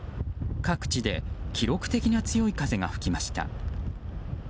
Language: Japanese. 各地で記録的な強い風が吹きました。